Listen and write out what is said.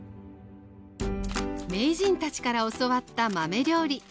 名人たちから教わった豆料理。